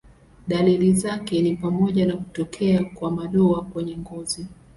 Dalili zake ni pamoja na kutokea kwa madoa kwenye ngozi.